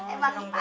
eh bangun pak aji